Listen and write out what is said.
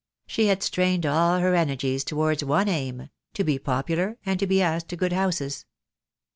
She had strained all her energies towards one aim — to be popular, and to be asked to good houses.